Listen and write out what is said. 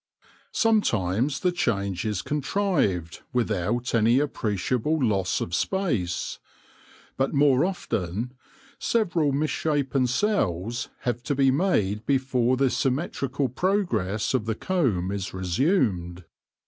Sometimes the change is contrived without any appreciable loss of space, but more often several misshapen cells have to be made before the symmetrical progress of the comb is resumed.